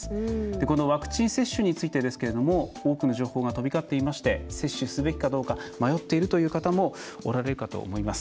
このワクチン接種について多くの情報が飛び交っていまして接種すべきかどうか迷っているという方もおられるかと思います。